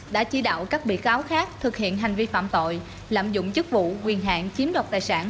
đã chỉ đạo các bị cáo khác thực hiện hành vi phạm tội lạm dụng chức vụ quyền hạn chiếm đoạt tài sản